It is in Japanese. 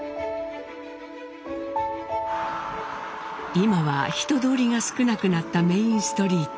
今は人通りが少なくなったメインストリート。